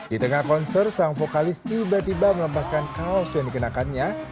di tengah konser sang vokalis tiba tiba melepaskan kaos yang dikenakannya